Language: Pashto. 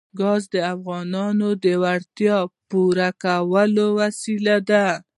ګاز د افغانانو د اړتیاوو د پوره کولو وسیله ده.